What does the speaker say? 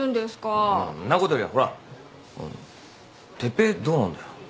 んなことよりほら哲平どうなんだよ。